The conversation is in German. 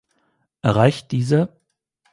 Erreicht diese